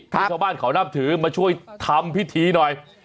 ที่ชาวบ้านเขานับถือมาช่วยทำพิธีหน่อย